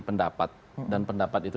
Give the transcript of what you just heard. pendapat dan pendapat itu